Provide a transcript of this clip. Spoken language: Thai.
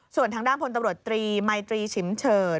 ส่วนทางด้านพลตำรวจตรีมัยตรีฉิมเฉิด